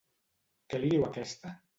Què li diu aquesta?